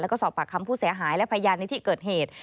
แล้วก็สอบปากคำผู้เสียหายและพยานในที่เกิดเหตุ